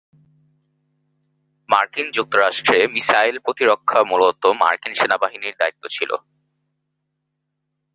মার্কিন যুক্তরাষ্ট্রে মিসাইল প্রতিরক্ষা মূলত মার্কিন সেনাবাহিনীর দায়িত্ব ছিল।